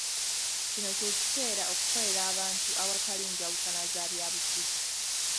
Kino ky’ekiseera okukolera abantu awatali njawukana z’abyabufuzi.